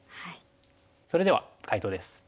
それでは解答です。